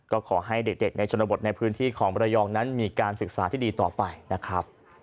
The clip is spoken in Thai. ก็ขอให้เด็กในชนบทในพื้นที่ของบรยองนั้นมีการศึกษาที่ดีต่อไปนะครับ